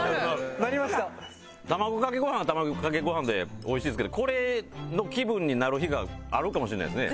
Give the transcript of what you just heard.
卵かけご飯は卵かけご飯で美味しいですけどこれの気分になる日があるかもしれないですね。